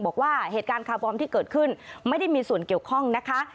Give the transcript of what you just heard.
บอกว่าเหตุการณ์คาร์บอมที่เกิดขึ้นไม่ได้มีส่วนเกี่ยวข้องนะคะ